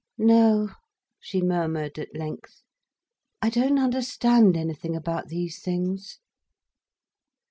"No," she murmured at length. "I don't understand anything about these things."